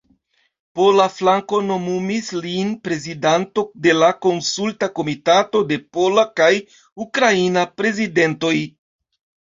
Pola flanko nomumis lin prezidanto de la Konsulta Komitato de Pola kaj Ukraina Prezidentoj.